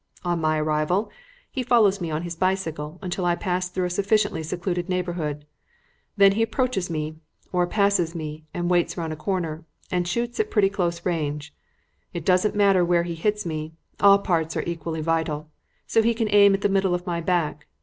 On my arrival, he follows me on his bicycle until I pass through a sufficiently secluded neighbourhood. Then he approaches me, or passes me and waits round a corner, and shoots at pretty close range. It doesn't matter where he hits me; all parts are equally vital, so he can aim at the middle of my back.